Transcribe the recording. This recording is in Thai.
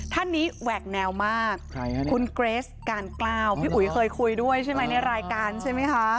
ท่านนี้แหวกแนวมากคุณเกรสการกล้าวพี่อุ๋ยเคยคุยด้วยใช่ไหมในรายการใช่ไหมคะ